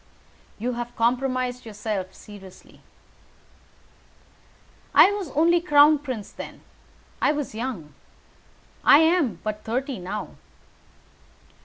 "You have compromised yourself seriously." "I was only crown prince then. I was young. I am but thirty now."